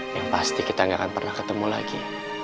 yang pasti kita gak akan pernah ketemu lagi